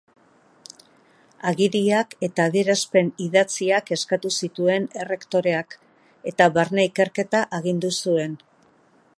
Agiriak eta adierazpen idatziak eskatu zituen errektoreak, eta barne ikerketa agindu zuen.